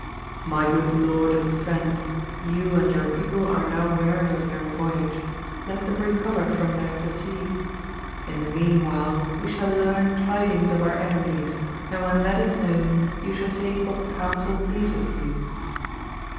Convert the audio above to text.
My good lord and friend, you and your people are now weary of your voyage, let them recover from their fatigue ; in the mean while we shall learn tidings of our enemies, and when that is known, you shall take what counsel pleaseth you.